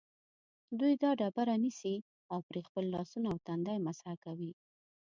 دوی دا ډبره نیسي او پرې خپل لاسونه او تندی مسح کوي.